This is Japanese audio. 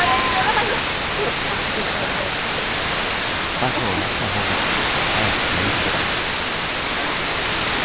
バスを待ったほうが早く帰れたみたい。